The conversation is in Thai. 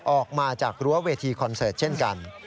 ออกมาจากรั้วเวทีคอนเสิร์ตเช่นกัน